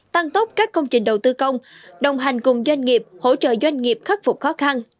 tăng tốc các công trình đầu tư công đồng hành cùng doanh nghiệp hỗ trợ doanh nghiệp khắc phục khó khăn